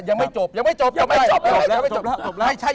ยังไม่จบยังไม่จบยังไม่จบ